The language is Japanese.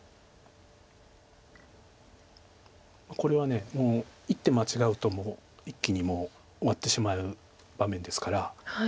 これは一手間違うともう一気に終わってしまう場面ですから。